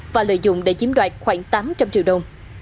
cần thơ đã lợi dụng để chiếm đoạt khoảng tám trăm linh triệu đồng